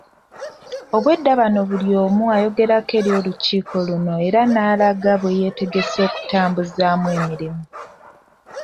Obwedda bano buli omu ayogerako eri olukiiko luno era n'alaga bwe yeetegese okutambuzaamu emirimu.